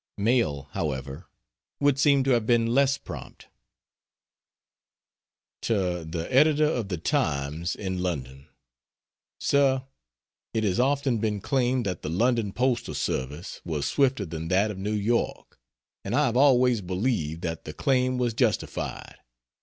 Mail, however, would seem to have been less prompt. To the Editor of the Times, in London: SIR, It has often been claimed that the London postal service was swifter than that of New York, and I have always believed that the claim was justified.